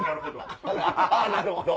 「なるほど」。